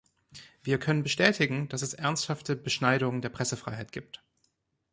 Wir können bestätigen, dass es ernsthafte Beschneidungen der Pressefreiheit gibt.